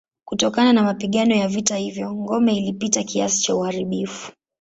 Kutokana na mapigano ya vita hivyo ngome ilipata kiasi cha uharibifu.